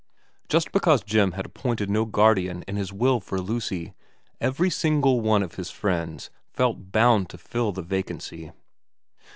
Just because Jim had appointed no guardian in his will for Lucy, every single one of his friends felt bound to fill the vacancy.